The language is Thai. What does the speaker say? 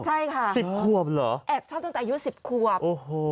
ใช่ค่ะสิบขวบเหรอแอบชอบตั้งแต่อายุ๑๐ขวบโอ้โห